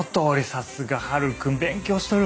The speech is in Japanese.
さすがハル君勉強しとるわ。